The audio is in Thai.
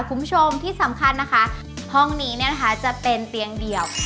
คุณผู้ชมที่สำคัญนะคะห้องนี้เนี่ยนะคะจะเป็นเตียงเดี่ยว